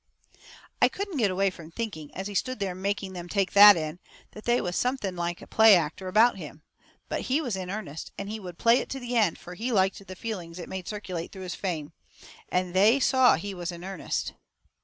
I couldn't get away from thinking, as he stood there making them take that in, that they was something like a play actor about him. But he was in earnest, and he would play it to the end, fur he liked the feelings it made circulate through his frame. And they saw he was in earnest.